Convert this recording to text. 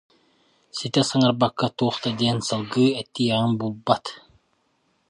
ситэ саҥарбакка туох да диэн салгыы этиэҕин булбат